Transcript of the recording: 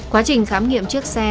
quá trình khám nghiệm chiếc xe